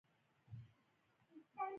ځان ور نږدې که.